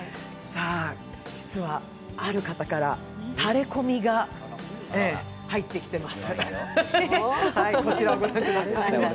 実は、ある方からタレコミが入ってきています。